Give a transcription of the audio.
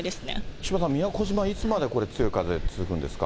木島さん、宮古島、いつまでこれ、強い風続くんですか。